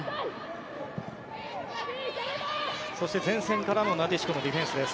そして前線からのなでしこのディフェンスです。